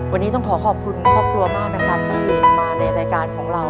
วันนี้ต้องขอขอบคุณครอบครัวมากนะครับที่มาในรายการของเรา